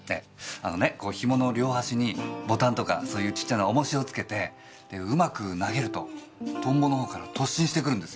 あのねこう紐の両端にボタンとかそういうちっちゃな重石をつけてでうまく投げるとトンボのほうから突進してくるんですよ。